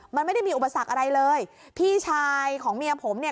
มันไม่ได้มีอุปสรรคอะไรเลยพี่ชายของเมียผมเนี่ย